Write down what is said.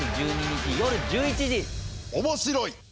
おもしろい！